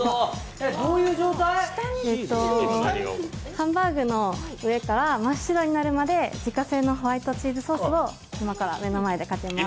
ハンバーグの上から真っ白になるまで自家製ホワイトチーズソースを今から目の前でかけます。